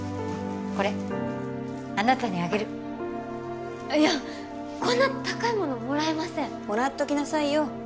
これあなたにあげるいやこんな高いものもらえませんもらっときなさいよ